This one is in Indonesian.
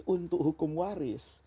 untuk hukum waris